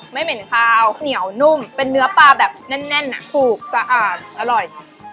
เหม็นคาวเหนียวนุ่มเป็นเนื้อปลาแบบแน่นถูกสะอาดอร่อย